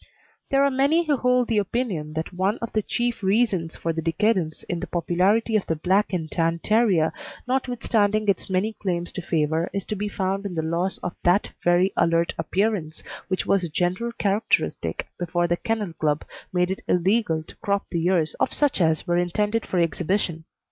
There are many who hold the opinion that one of the chief reasons for the decadence in the popularity of the Black and Tan Terrier, notwithstanding its many claims to favour, is to be found in the loss of that very alert appearance which was a general characteristic before the Kennel Club made it illegal to crop the ears of such as were intended for exhibition.